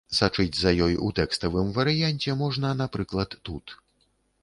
Сачыць за ёй у тэкставым варыянце можна, напрыклад, тут.